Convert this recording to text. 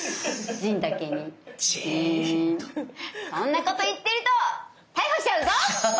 そんなこと言ってると逮捕しちゃうぞ！